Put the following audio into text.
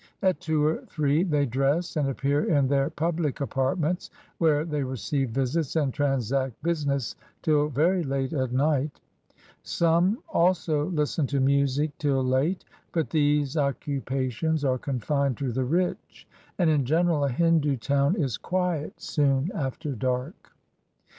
At two or three they dress, and appear in their pubUc apartments, where they receive visits and transact business till very late at night. Some also listen to music till late: but these occupations are confmed to the rich, and in general a Hindu town is quiet soon after dark.